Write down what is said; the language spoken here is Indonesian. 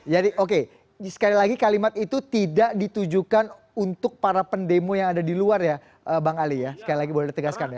jadi oke sekali lagi kalimat itu tidak ditujukan untuk para pendemo yang ada di luar ya bang ali ya sekali lagi boleh ditegaskan ya